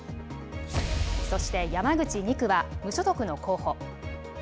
そして、山口２区は、無所属の候補。